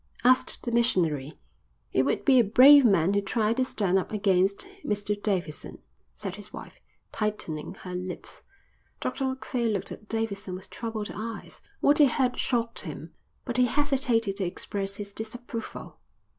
asked the missionary. "It would be a brave man who tried to stand up against Mr Davidson," said his wife, tightening her lips. Dr Macphail looked at Davidson with troubled eyes. What he heard shocked him, but he hesitated to express his disapproval.